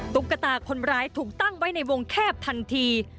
ตุ๊กตาคนร้ายถูกตั้งไว้ในวงแคบทันที